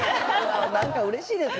何かうれしいですね。